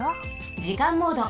じかんモード。